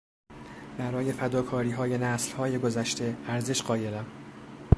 برای فداکاریهای نسلهای گذشته ارزش قایلم.